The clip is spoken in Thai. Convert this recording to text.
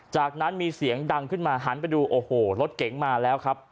จากนั้นมีเสียงดังขึ้นมาหันไปดูโอ้โหรถเก๋งมาแล้วครับ